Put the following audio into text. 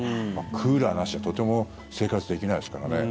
クーラーなしではとても生活できないですからね。